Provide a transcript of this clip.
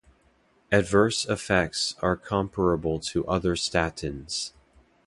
Adverse effects are comparable to other statins.